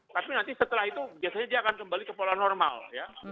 tapi nanti setelah itu biasanya dia akan kembali ke pola normal ya